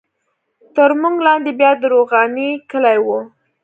تر موږ لاندې بیا د روغاني کلی وو.